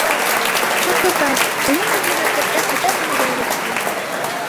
— Ҡартатай, бөгөн беҙҙе мәктәптә хәтәр нәмәгә өйрәттеләр.